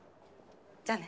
じゃあね。